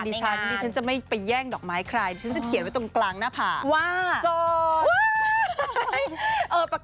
ดูจริงฉันจะไม่ไปแย่งดอกไม้ใครไม่ฉันจะเขียนตรงกลางนะพ่อ